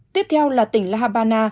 tiếp theo là tỉnh la habana